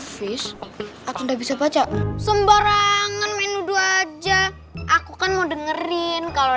fish atau bisa baca sembarangan main nuduh aja aku kan mau dengerin kalau